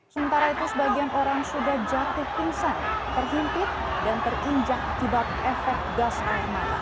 sementara itu sebagian orang sudah jatuh pingsan terhimpit dan terinjak akibat efek gas air mata